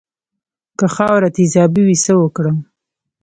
که خاوره تیزابي وي څه وکړم؟